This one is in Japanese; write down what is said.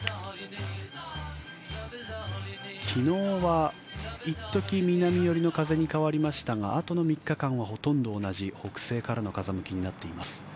昨日は一時南寄りの風に変わりましたがあとの３日間はほとんど同じ北西からの風向きになっています。